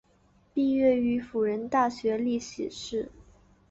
毕业于辅仁大学历史系。